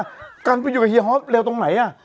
เนี่ยการไปอยู่กับเฮียฮอล์ดเร็วตรงไหนอะ